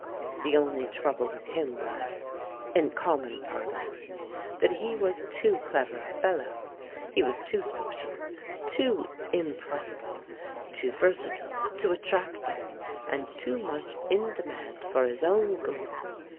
The only trouble with him was, in common parlance, that he was too clever a fellow; he was too social, too impressible, too versatile, too attractive, and too much in demand for his own good.